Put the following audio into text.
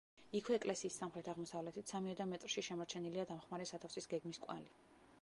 იქვე ეკლესიის სამხრეთ-აღმოსავლეთით, სამიოდე მეტრში შემორჩენილია დამხმარე სათავსის გეგმის კვალი.